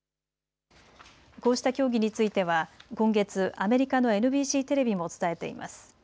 こうした協議については今月、アメリカのＮＢＣテレビも伝えています。